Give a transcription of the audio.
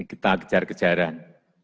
ini kita kejar kejaran